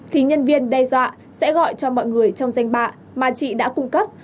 thì nhân viên đe dọa sẽ gọi cho mọi người trong danh bạ mà chị đã cung cấp